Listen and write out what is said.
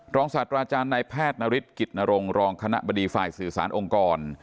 ศาสตราจารย์ในแพทย์นฤทธิกิจนรงรองคณะบดีฝ่ายสื่อสารองค์กร